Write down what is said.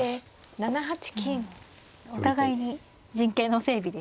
お互いに陣形の整備ですね。